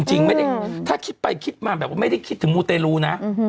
จริงถ้าหมาไม่ได้คิดถึงมูตรเตรียรู้นะ